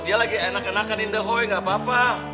dia lagi enakan enakanin dehoy gak apa apa